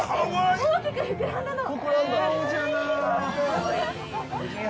大きく膨らんだのを。